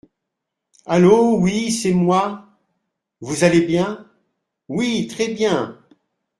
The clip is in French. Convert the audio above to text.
Allô, oui, c’est moi… vous allez bien… oui, très bien…